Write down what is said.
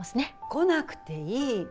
来なくていい。